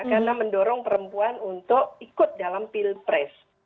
karena mendorong perempuan untuk ikut dalam pilpres